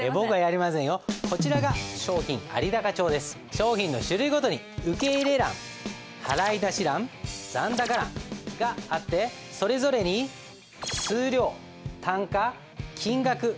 商品の種類ごとに受入欄払出欄残高欄があってそれぞれに数量単価金額を記入します。